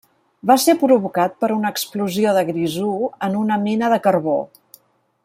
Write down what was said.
Va ser provocat per una explosió de grisú en una mina de carbó.